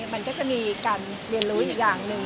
มันก็จะมีการเรียนรู้อีกอย่างหนึ่ง